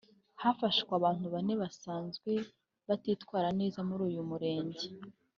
hafashwe abantu bane basanzwe batitwara neza muri uyu Murenge